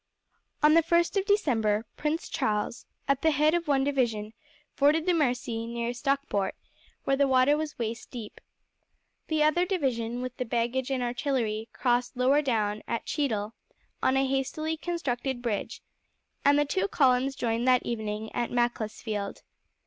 On the first of December, Prince Charles, at the head of one division, forded the Mersey near Stockport, where the water was waist deep. The other division, with the baggage and artillery, crossed lower down, at Cheadle, on a hastily constructed bridge, and the two columns joined that evening at Macclesfield.